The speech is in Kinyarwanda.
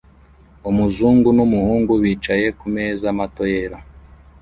Umuzungu numuhungu bicaye kumeza mato yera